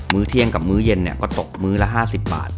ื้อเที่ยงกับมื้อเย็นก็ตกมื้อละ๕๐บาท